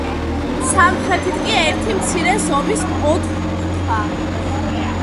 სამხრეთით კი ერთი მცირე ზომის ოთხკუთხა.